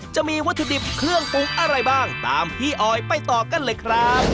จะมีวัตถุดิบเครื่องปรุงอะไรบ้างตามพี่ออยไปต่อกันเลยครับ